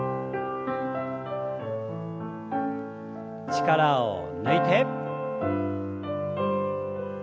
力を抜いて。